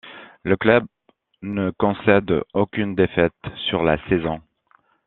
Le club ne concède aucune défaite sur la saison.